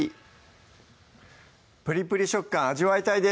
ぷりぷり食感味わいたいです